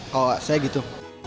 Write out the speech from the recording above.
kalau saya gitu